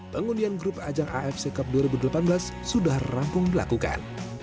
pengundian grup ajang afc cup dua ribu delapan belas sudah rampung dilakukan